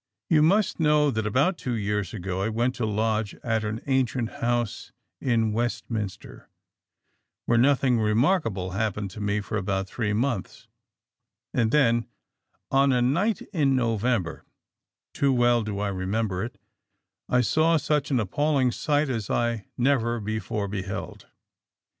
"You must know that about two years ago I went to lodge at an ancient house in Westminster, where nothing remarkable happened to me for about three months; and then, on a night in November (too well do I remember it), I saw such an appalling sight as I never before beheld. (Probably 1780. ED.)